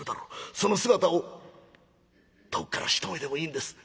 その姿を遠くから一目でもいいんです